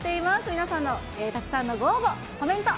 皆さんのたくさんのご応募、コメント